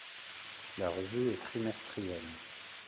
La revue est trimestrielle.